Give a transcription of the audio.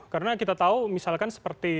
karena kita tahu misalkan seperti